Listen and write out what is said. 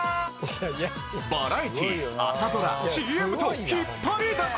バラエティー・朝ドラ・ＣＭと引っ張りだこ！